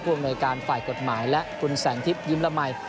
คุณอเมริการฝ่ายกฎหมายและคุณแสงทริปยิ้มละมัย